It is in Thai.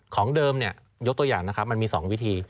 ของเดิมเนี่ยยกตัวอย่างนะครับมันมี๒วิธี